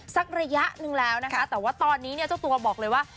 สักระยะหนึ่งแล้วนะคะแต่ว่าตอนนี้เนี่ยเจ้าตัวบอกเลยว่า